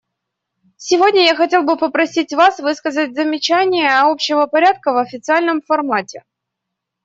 Сегодня я хотел бы просить вас высказать замечания общего порядка в официальном формате.